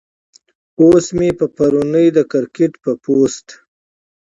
اوس مې پۀ پروني د کرکټ پۀ پوسټ